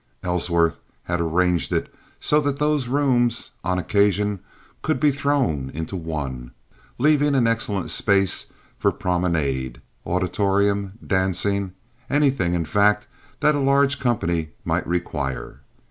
Ellsworth had arranged it so that those rooms, on occasion, could be thrown into one, leaving excellent space for promenade, auditorium, dancing—anything, in fact, that a large company might require.